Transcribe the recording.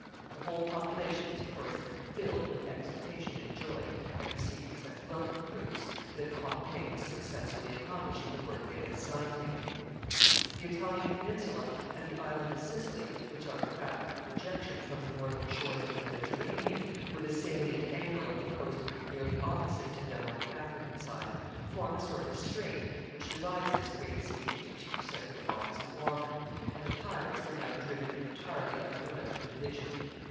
The whole population was, of course, filled with exultation and joy at receiving such welcome proofs that Pompey was successfully accomplishing the work they had assigned him. [Sidenote: The pirates concentrate themselves.] The Italian peninsula and the island of Sicily, which are, in fact, a projection from the northern shores of the Mediterranean, with a salient angle of the coast nearly opposite to them on the African side, form a sort of strait which divides this great sea into two separate bodies of water, and the pirates were now driven entirely out of the western division.